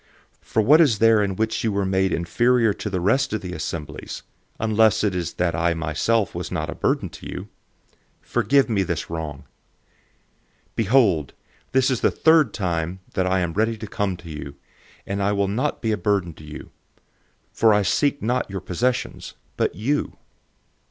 012:013 For what is there in which you were made inferior to the rest of the assemblies, unless it is that I myself was not a burden to you? Forgive me this wrong. 012:014 Behold, this is the third time I am ready to come to you, and I will not be a burden to you; for I seek not your possessions, but you.